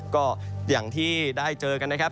ก็อย่างที่ได้เจอกันนะครับ